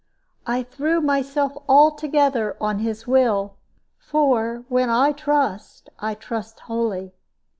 I threw myself altogether on his will; for, when I trust, I trust wholly.